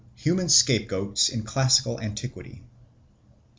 Human Scapegoats in Classical Antiquity 1.